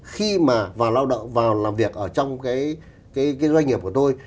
khi mà vào làm việc ở trong cái doanh nghiệp của tôi